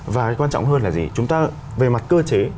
và cái quan trọng hơn là gì chúng ta về mặt cơ chế